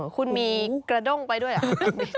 คุณมีกระด้งไปด้วยเหรอ